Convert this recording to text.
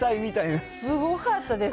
すごかったです。